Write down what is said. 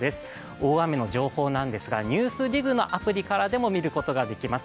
大雨の情報なんですが、「ＮＥＷＳＤＩＧ」のアプリからでも見ることができます。